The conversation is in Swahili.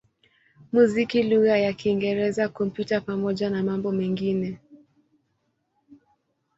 muziki lugha ya Kiingereza, Kompyuta pamoja na mambo mengine.